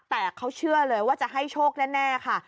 แต่เขาเชื่อเลยว่าจะให้โชคแน่ค่ะ